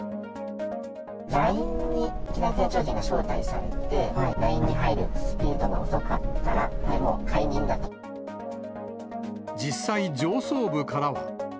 ラインに店長陣が招待されて、ＬＩＮＥに入るスピードが遅かっ実際、上層部からは。